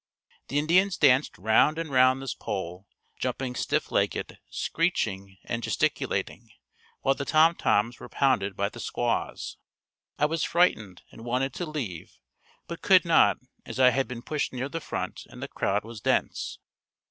The Indians danced round and round this pole, jumping stiff legged, screeching and gesticulating, while the tom toms were pounded by the squaws. I was frightened and wanted to leave, but could not as I had been pushed near the front and the crowd was dense.